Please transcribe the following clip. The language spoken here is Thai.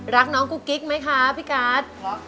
รักน้องกุ๊กกิ๊กไหมคะพี่การ์ด